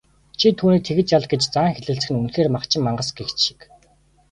"Чи түүнийг тэгж ал" гэж заан хэлэлцэх нь үнэхээр махчин мангас гэгч шиг.